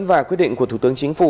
và quyết định của thủ tướng chính phủ